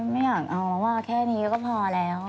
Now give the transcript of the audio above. ไม่อยากเอามาว่าแค่นี้ก็พอแล้ว